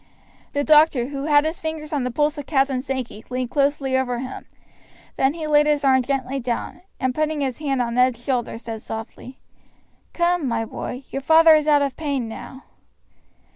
The doctor, who had his fingers on the pulse of Captain Sankey, leaned closely over him; then he laid his arm gently down, and putting his hand on Ned's shoulder said softly: "Come, my boy, your father is out of pain now."